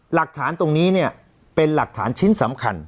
หลักฐานตรงนี้เนี่ยเป็นหลักฐานชิ้นสำคัญ